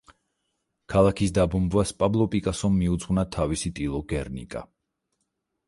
ქალაქის დაბომბვას პაბლო პიკასომ მიუძღვნა თავისი ტილო „გერნიკა“.